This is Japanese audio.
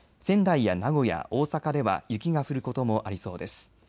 仙台や名古屋、大阪では雪が降ることもありそうです。